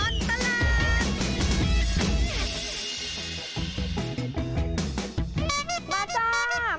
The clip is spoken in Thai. ช่วงตลอดตลาด